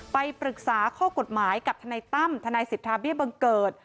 ไปปรึกษาข้อกฎหมายกับทนายตั้มทนายสิทธาเบี้ยบังเกิด